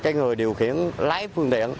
người điều khiển lái phương tiện